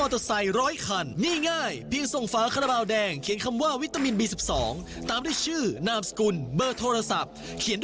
ทุกวันในรายการตลอดข่าวเวลาก้อนาฬิกา๓๐นาที